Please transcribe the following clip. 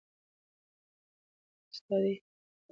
استاد د خپلو کړو وړو د لارې شاګرد ته د ټولنیز تعامل درس ورکوي.